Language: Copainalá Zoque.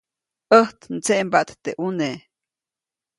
ʼÄjt ndseʼmbaʼt teʼ ʼuneʼ.